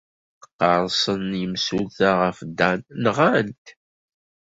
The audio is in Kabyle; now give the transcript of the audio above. Qersen yemsulta ɣef Dan, nɣan-t.